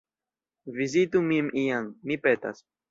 Vizitu min iam, mi petas!